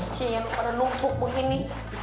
cian pada lumpuk begini